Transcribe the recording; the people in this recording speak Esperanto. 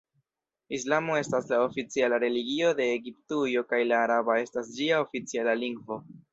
Islamo estas la oficiala religio de Egiptujo kaj la araba estas ĝia oficiala lingvo.